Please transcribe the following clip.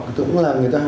cũng là người ta đứng lớp